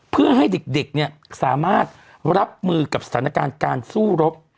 เพื่อให้เด็กเนี่ยสามารถรับมือกับสถานการณ์การสู้รบ